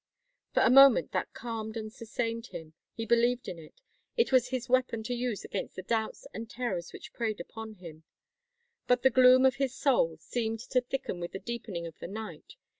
For a time that calmed and sustained him; he believed in it; it was his weapon to use against the doubts and terrors which preyed upon him. But the gloom of his soul seemed to thicken with the deepening of the night.